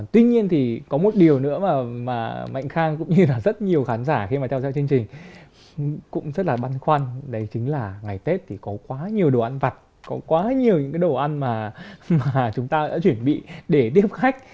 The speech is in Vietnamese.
tuy nhiên thì có một điều nữa mà mạnh khang cũng như là rất nhiều khán giả khi mà tham gia chương trình cũng rất là băn khoăn đấy chính là ngày tết thì có quá nhiều đồ ăn vặt có quá nhiều những cái đồ ăn mà chúng ta đã chuẩn bị để điếu khách